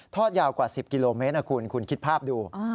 ยาวกว่า๑๐กิโลเมตรนะคุณคุณคิดภาพดู